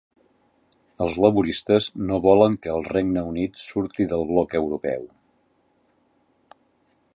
Els laboristes no volen que el Regne Unit surti del bloc europeu.